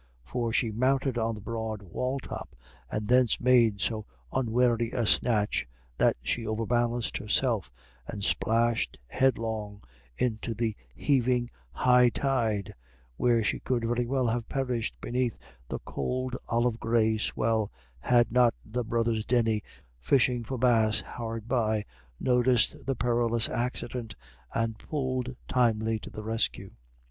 For she mounted on the broad wall top, and thence made so unwary a snatch that she overbalanced herself and splashed headlong into the heaving high tide, where she would very soon have perished beneath the cold olive gray swell, had not the brothers Denny, fishing for bass hard by, noticed the perilous accident, and pulled timely to the rescue.